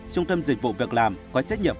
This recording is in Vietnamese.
trung tâm dịch vụ việc làm có trách nhiệm